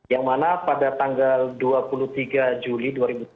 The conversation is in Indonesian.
yang mana pada tanggal dua puluh tiga juli dua ribu tujuh belas